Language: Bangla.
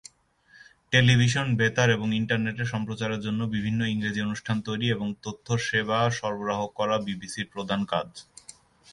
টেলিভিশন, বেতার এবং ইন্টারনেটে সম্প্রচারের জন্য বিভিন্ন ইংরেজি অনুষ্ঠান তৈরি এবং তথ্য সেবা সরবরাহ করা বিবিসির প্রধান কাজ।